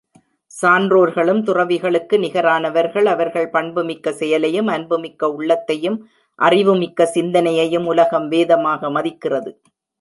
சான்றோர்களும் துறவிகளுக்கு நிகரானவர்கள் அவர்கள் பண்புமிக்க செயலையும், அன்புமிக்க உள்ளத்தையும், அறிவு மிக்க சிந்தனையையும் உலகம் வேதமாக மதிக்கிறது.